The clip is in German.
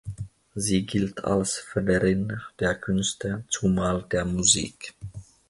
Sie galt als Förderin der Künste, zumal der Musik.